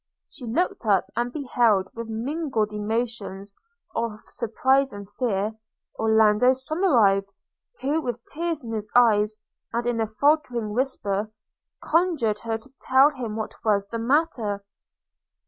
She looked up – and beheld, with mingled emotions of surprise and fear, Orlando Somerive; who with tears in his eyes, and in a faltering whisper, conjured her to tell him what was the matter.